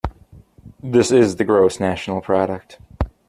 This is the Gross National Product.